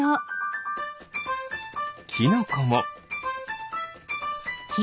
キノコも。